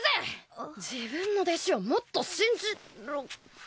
自分の弟子をもっと信じろよ。